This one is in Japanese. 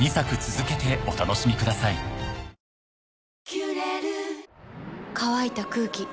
「キュレル」乾いた空気。